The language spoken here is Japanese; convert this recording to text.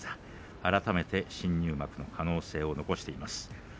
改めて新入幕への可能性を残しています。